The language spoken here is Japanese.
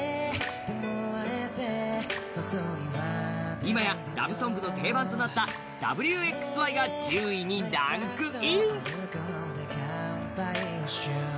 今やラブソングの定番となった「Ｗ／Ｘ／Ｙ」が１０位にランクイン。